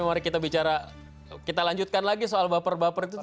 mari kita lanjutkan lagi soal baper baper itu